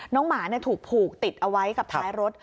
หมาถูกผูกติดเอาไว้กับท้ายรถ